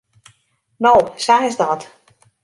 No, sa is dat.